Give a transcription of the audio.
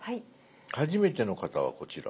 「はじめての方はこちら」。